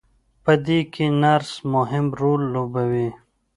په دې کې نرس مهم رول لوبوي.